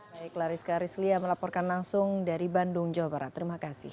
baiklah rizka rizlia melaporkan langsung dari bandung jawa barat terima kasih